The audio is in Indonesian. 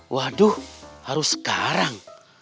waduh harus sekarang